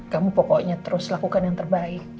kamu pokoknya terus lakukan yang terbaik